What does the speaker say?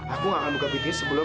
aku gak akan buka video sebelum